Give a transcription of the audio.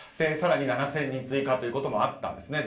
更に７０００人追加ということもあったんです。